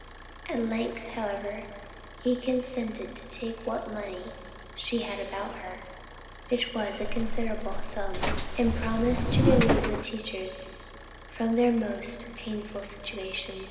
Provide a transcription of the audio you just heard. At length however he consented to take what money she had about her, which was a considerable sum, and promised to relieve the teachers from their most painful situation.